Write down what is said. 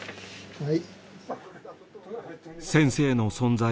はい。